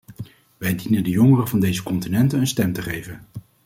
Wij dienen de jongeren van deze continenten een stem te geven.